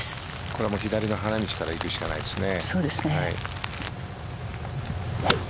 これも左の花道からいくしかないですね。